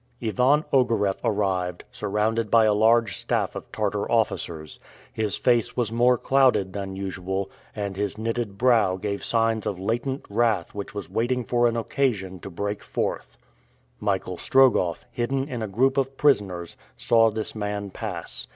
Ivan Ogareff arrived, surrounded by a large staff of Tartar officers. His face was more clouded than usual, and his knitted brow gave signs of latent wrath which was waiting for an occasion to break forth. Michael Strogoff, hidden in a group of prisoners, saw this man pass.